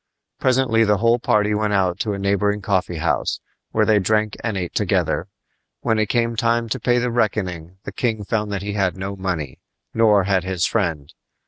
Presently the whole party went out to a neighboring coffee house, where they drank and ate together. When it came time to pay the reckoning the king found that he had no money, nor had his friend.